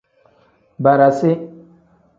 Barasi.